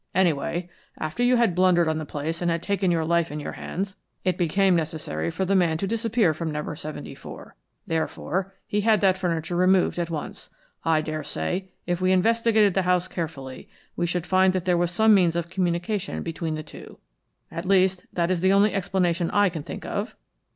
Anyway, after you had blundered on the place and had taken your life in your hands, it became necessary for the man to disappear from No. 74. Therefore, he had that furniture removed at once. I daresay if we investigated the house carefully we should find that there was some means of communication between the two; at least, that is the only explanation I can think of."